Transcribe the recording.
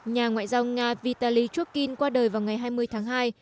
nhà ngoại giao nga vitaly chukin qua đời vào ngày hai mươi tháng hai